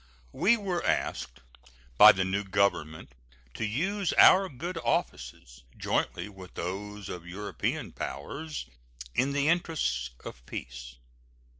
We were asked by the new Government to use our good offices, jointly with those of European powers, in the interests of peace.